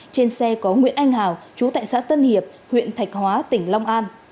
trên xe có nguyễn anh hào chú tại xã tân hiệp huyện thạch hóa tỉnh long an